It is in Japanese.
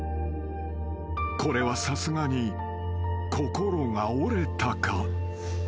［これはさすがに心が折れたか］